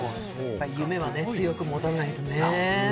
夢は強く持たないとね。